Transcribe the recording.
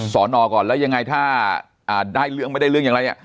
สอนอก่อนแล้วยังไงถ้าได้เรื่องไม่ได้เรื่องอย่างไรเนี่ย